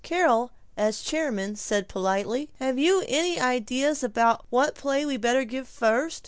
Carol, as chairman, said politely, "Have you any ideas about what play we'd better give first?"